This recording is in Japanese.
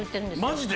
マジで？